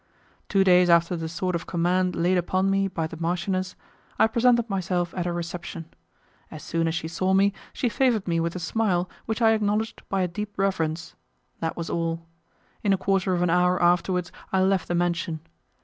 Two days after the sort of command laid upon me by the marchioness, I presented myself at her reception. As soon as she saw me, she favoured me with a smile which I acknowledged by a deep reverence; that was all. In a quarter of an hour afterwards I left the mansion.